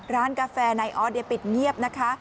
ร้านกาแฟไนออสเนี่ยปิดเงียบนะคะ